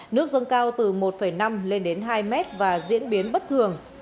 nước dâng cao từ một năm lên đến hai mét và diễn biến bất thường